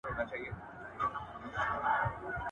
مال باید په سمه توګه مصرف سي.